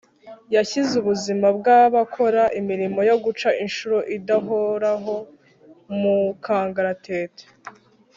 yashyize ubuzima bw’ abakora imirimo yo guca inshuro (idahoraho) mu kangaratete!